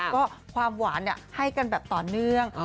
ก็ความหวานให้กันแบบต่อเนื่อง